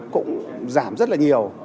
cũng giảm rất nhiều